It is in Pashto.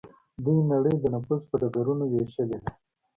دوی نړۍ د نفوذ په ډګرونو ویشلې ده